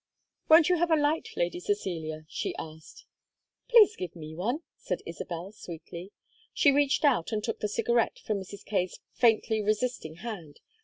"Won't you have a light, Lady Cecilia?" she asked. "Please give me one," said Isabel, sweetly. She reached out and took the cigarette from Mrs. Kaye's faintly resisting hand.